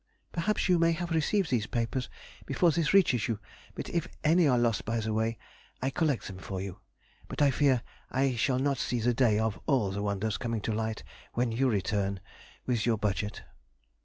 Perhaps you may have received these papers before this reaches you, but if any are lost by the way, I collect them for you; but I fear I shall not see the day of all the wonders coming to light when you return with your budget....